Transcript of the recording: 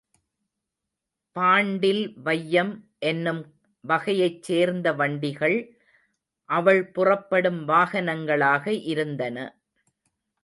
பாண்டில் வையம் என்னும் வகையைச் சேர்ந்த வண்டிகள் அவள் புறப்படும் வாகனங்களாக இருந்தன.